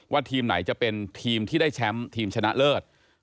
ทีมไหนจะเป็นทีมที่ได้แชมป์ทีมชนะเลิศ